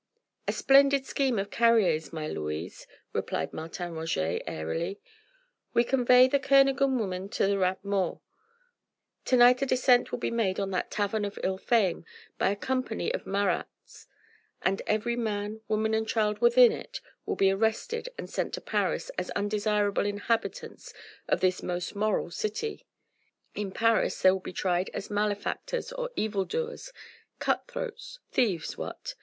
"A splendid scheme of Carrier's, my Louise," replied Martin Roget airily. "We convey the Kernogan woman to the Rat Mort. To night a descent will be made on that tavern of ill fame by a company of Marats and every man, woman and child within it will be arrested and sent to Paris as undesirable inhabitants of this most moral city: in Paris they will be tried as malefactors or evil doers cut throats, thieves, what?